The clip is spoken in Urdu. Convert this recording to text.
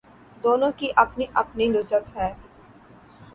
دونوں کی اپنی اپنی لذت ہے